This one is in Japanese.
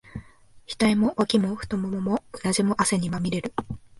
額も、脇も、太腿も、うなじも、汗にまみれる。